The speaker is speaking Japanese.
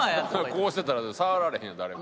こうしてたら触られへんよ誰も。